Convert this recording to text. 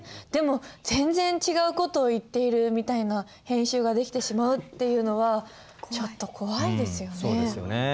でも全然違う事を言っているみたいな編集ができてしまうっていうのはちょっと怖いですよね。